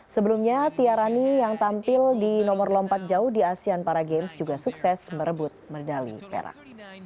sebelumnya tiarani yang tampil di nomor lompat jauh di asean para games juga sukses merebut medali perak